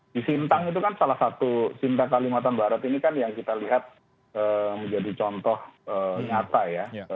di sintang itu kan salah satu sintang kalimantan barat ini kan yang kita lihat menjadi contoh nyata ya